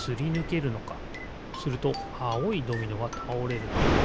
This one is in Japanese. するとあおいドミノがたおれるな。